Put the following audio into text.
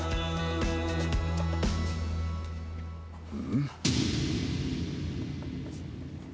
うん？